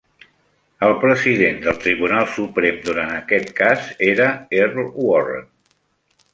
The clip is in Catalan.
El President del Tribunal Suprem durant aquest cas era Earl Warren.